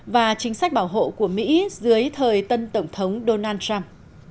và chính sách bảo hộ của mỹ dưới thời tân tổng thống donald trump